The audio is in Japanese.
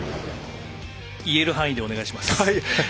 言える範囲でお願いします。